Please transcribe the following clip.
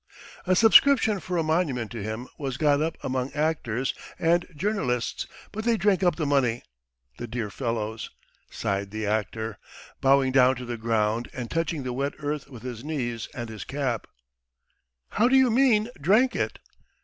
"A subscription for a monument to him was got up among actors and journalists, but they drank up the money, the dear fellows ..." sighed the actor, bowing down to the ground and touching the wet earth with his knees and his cap. "How do you mean, drank it?"